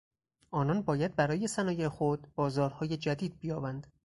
آنان باید برای صنایع خود بازارهای جدید بیابند.